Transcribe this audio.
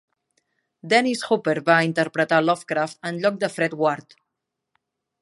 Dennis Hopper va interpretar Lovecraft en lloc de Fred Ward.